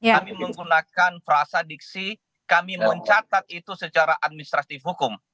kami menggunakan frasa diksi kami mencatat itu secara administratif hukum